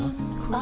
あ！